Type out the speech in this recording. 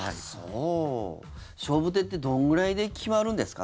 勝負手ってどれぐらいで決まるんですか？